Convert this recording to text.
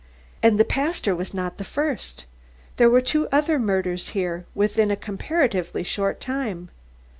And the pastor was not the first, there were two other murders here within a comparatively short time.